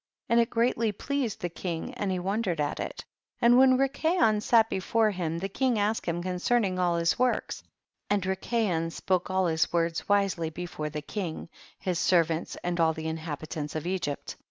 25. And it greatly pleased the king and he wondered at it ; and when Rikayon sat before him the king asked him concerning all his works, and Rikayon spoke all his words wisely before the king, his servants and all the inhabitants of Egypt.